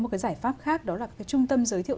một cái giải pháp khác đó là cái trung tâm giới thiệu